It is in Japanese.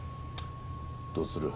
どうする？